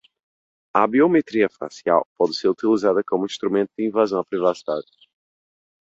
A biometria facial pode ser utilizada como instrumento de invasão à privacidade